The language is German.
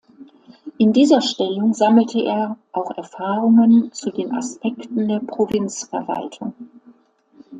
In dieser Stellung sammelte er auch Erfahrungen zu den Aspekten der Provinzverwaltung.